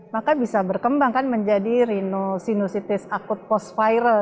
maka bisa berkembang menjadi rhinosinusitis akut post viral